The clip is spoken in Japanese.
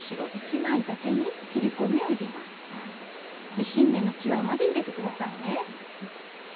ミシン目のきわまで入れて下さいね。